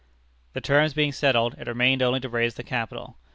The terms being settled, it remained only to raise the capital.